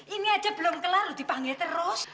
ini aja belum kelaru dipanggil terus